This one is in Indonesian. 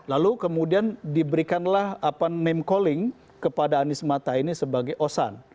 lalu kemudian diberikanlah name calling kepada anies mata ini sebagai osan